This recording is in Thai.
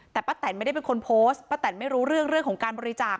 แต่ป้าแตนไม่ได้เป็นคนโพสต์ป้าแตนไม่รู้เรื่องของการบริจาค